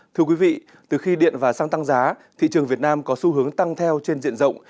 thưa quý vị từ khi điện và xăng tăng giá thị trường việt nam có xu hướng tăng theo trên diện rộng